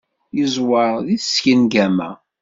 Yeẓwer deg tsengama.